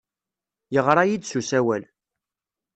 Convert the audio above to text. Yeɣra-iyi-d s usawal.